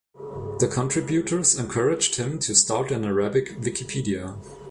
Contributors encouraged him to start an Arabic Wikipedia.